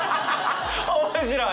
面白い！